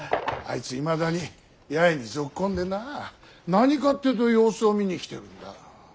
あいついまだに八重にぞっこんでな何かっていうと様子を見に来てるんだ。